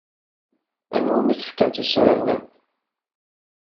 Anwa umi tefkam tisura-nni?